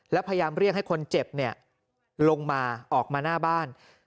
แล้วพยายามเรียกให้คนเจ็บลงมาออกมาหน้าบ้าน